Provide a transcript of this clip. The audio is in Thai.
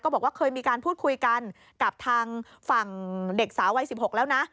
บอกว่าเคยมีการพูดคุยกันกับทางฝั่งเด็กสาววัย๑๖แล้วนะ